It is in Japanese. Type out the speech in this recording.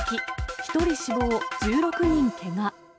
１人死亡、１６人けが。